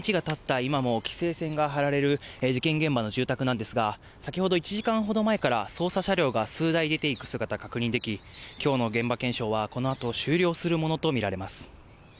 今も規制線が張られる事件現場の住宅なんですが、先ほど１時間ほど前から捜査車両が数台出ていく姿、確認でき、きょうの現場検証はこのあと終了するものと見られます。